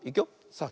さあ